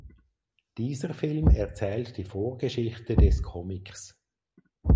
Dieser Film erzählt die Vorgeschichte des Comics.